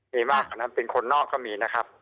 มีมากกว่านั้นเป็นคนนอกก็มีนะครับ